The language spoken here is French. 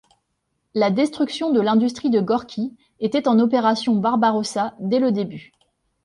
La destruction de l'industrie de Gorki était en opération Barbarossa dès le début.